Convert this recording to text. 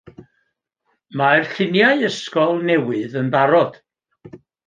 Mae'r lluniau ysgol newydd yn barod.